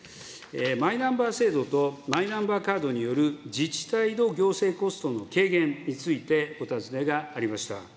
マイナンバー制度とマイナンバーカードによる、自治体の行政コストの軽減についてお尋ねがありました。